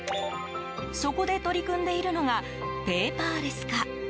そこで取り組んでいるのがペーパーレス化。